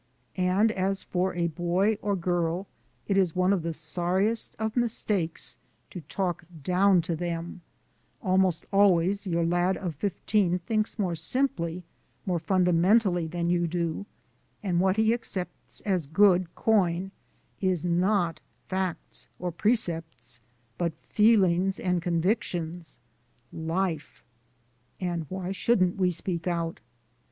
And as for a boy or girl it is one of the sorriest of mistakes to talk down to them; almost always your lad of fifteen thinks more simply, more fundamentally, than you do; and what he accepts as good coin is not facts or precepts, but feelings and convictions LIFE. And why shouldn't we speak out?